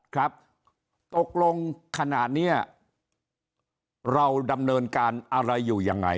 ครับตกลงขณะนี้เราดำเนินการอะไรอยู่ยังไง